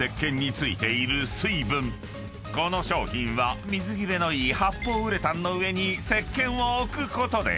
［この商品は水切れのいい発泡ウレタンの上に石けんを置くことで］